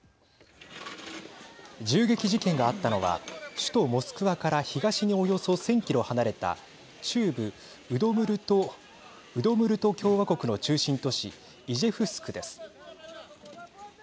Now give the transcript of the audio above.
銃撃事件があったのは首都モスクワから東におよそ１０００キロ離れた中部ウドムルト共和国の中心都市イジェフスクです。